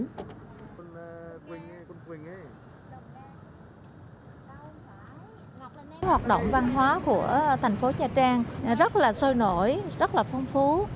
hoạt động văn hóa của tp nha trang rất là sôi nổi rất là phong phú